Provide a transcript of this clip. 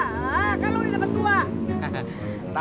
kalau lu udah dapet gua